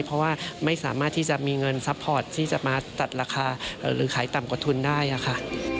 เพราะว่าไม่สามารถที่จะมีเงินซัพพอร์ตที่จะมาตัดราคาหรือขายต่ำกว่าทุนได้ค่ะ